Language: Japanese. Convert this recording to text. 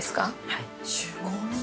はい。